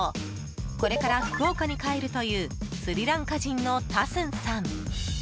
これから福岡に帰るというスリランカ人のタスンさん。